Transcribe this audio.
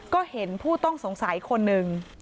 ก็เห็นผู้ต้องสงสัยคนหนึ่ง